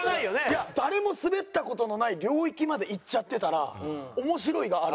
いや誰もスベった事のない領域まで行っちゃってたら「面白い」がある。